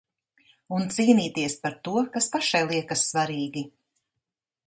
Un cīnīties par to, kas pašai liekas svarīgi.